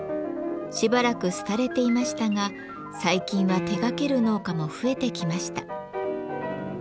しばらく廃れていましたが最近は手がける農家も増えてきました。